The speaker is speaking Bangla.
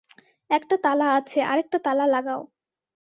একটা তালা আছে, আরেকটা তালা লাগাও।